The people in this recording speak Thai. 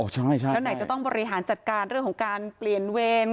ใช่แล้วไหนจะต้องบริหารจัดการเรื่องของการเปลี่ยนเวร